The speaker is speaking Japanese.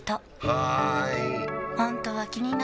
はーい！